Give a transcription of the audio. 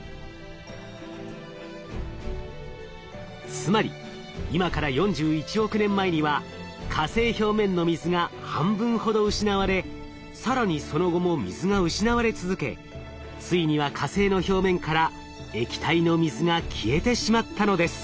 つまり今から４１億年前には火星表面の水が半分ほど失われ更にその後も水が失われ続けついには火星の表面から液体の水が消えてしまったのです。